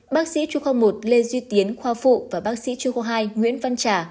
bác sĩ chuyên khoa một lê duy tiến khoa phụ và bác sĩ chuyên khoa hai nguyễn văn trả